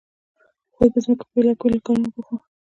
هغوی په ځمکو کې په بیلابیلو کارونو بوخت وو.